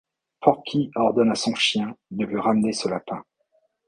Porky ordonne à son chien de lui ramener ce lapin.